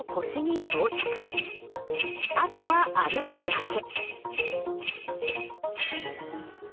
あとは歩くだけ。